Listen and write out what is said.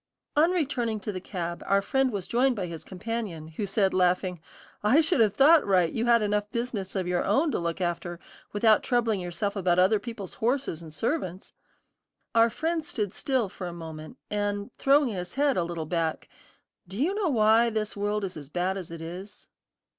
On returning to the cab, our friend was joined by his companion, who said laughing, "I should have thought, Wright, you had enough business of your own to look after, without troubling yourself about other people's horses and servants." Our friend stood still for a moment, and throwing his head a little back, "Do you know why this world is as bad as it is?"